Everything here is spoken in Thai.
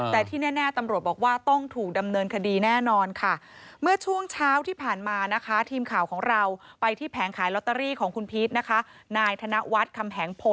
แต่ที่แน่ตำรวจบอกว่าต้องถูกดำเนินคดีแน่นอนค่ะ